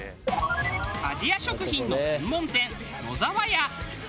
アジア食品の専門店野澤屋。